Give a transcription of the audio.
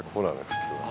普通はね。